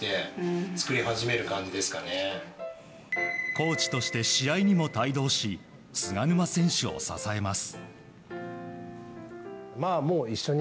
コーチとして試合にも帯同し菅沼選手を支えます。